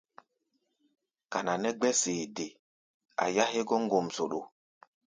Kana nɛ́ gbɛ̧́ sede a yá hégɔ́ ŋgomsoɗo.